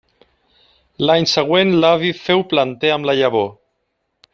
L'any següent l'avi féu planter amb la llavor.